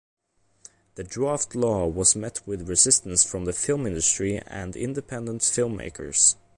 The draft law was met with resistance from the film industry and independent filmmakers.